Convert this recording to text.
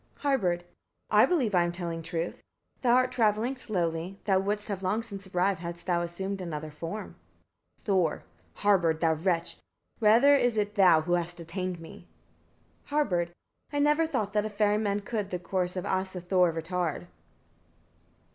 Harbard. 50. I believe I am telling truth. Thou art travelling slowly; thou wouldst have long since arrived, hadst thou assumed another form. Thor. 51. Harbard! thou wretch! rather is it thou who hast detained me. Harbard. 52. I never thought that a ferryman could the course of Asa Thor retard.